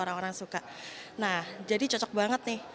nah jadi cocok banget nih